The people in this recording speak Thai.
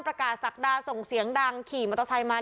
ประกาศศักดาส่งเสียงดังขี่มอเตอร์ไซค์มา